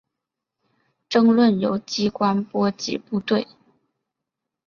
争论由机关波及部队。